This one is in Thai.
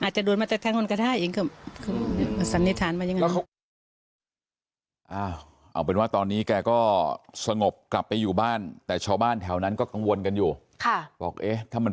อาจจะโดนมาแต่ท่านคนกระท่าย